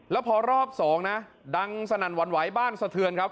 แล้วพอรอบ๒นะดังสนั่นหวั่นไหวบ้านสะเทือนครับ